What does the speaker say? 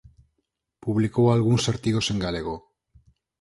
Publicou algúns artigos en galego.